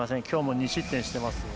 きょうも２失点しています。